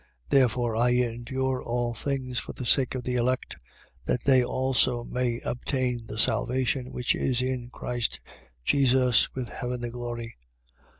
2:10. Therefore I endure all things for the sake of the elect, that they also may obtain the salvation which is in Christ Jesus, with heavenly glory.